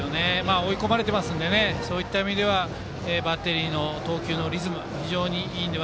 追い込まれているのでそういった意味ではバッテリーの投球のリズムが三振。